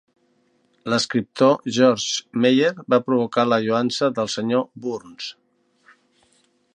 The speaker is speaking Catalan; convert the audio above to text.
L'escriptor George Meyer va provocar la lloança del senyor Burns.